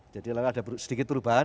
jadi lalu ada sedikit perubahan